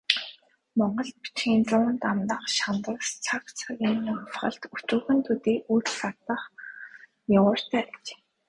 Монгол бичгийн зуун дамнах шандас цаг цагийн амьсгалд өчүүхэн төдий үл саатах нигууртай ажээ.